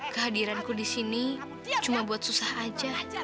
kehadiranku di sini cuma buat susah aja